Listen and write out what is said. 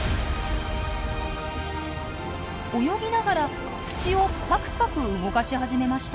泳ぎながら口をパクパク動かし始めました。